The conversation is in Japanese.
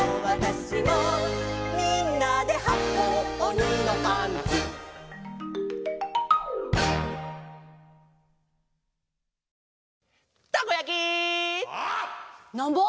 「みんなではこうおにのパンツ」「たこやき」「なんぼ？」